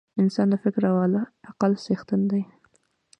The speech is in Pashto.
انسان د فکر او عقل څښتن دی.